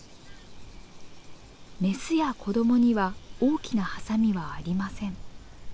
メスや子どもには大きなハサミはありません。